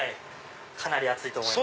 かなり暑いと思います。